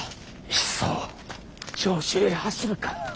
いっそ長州へ走るか。